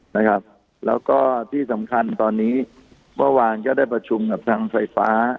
นะครับแล้วก็ที่สำคัญตอนนี้เมื่อวานก็ได้ประชุมกับทางไฟฟ้า